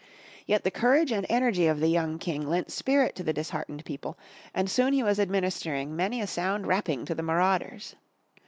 Yet the courage and energy of the young King lent spirit to the disheartened people and soon he was administering many a sound rapping to the marauders.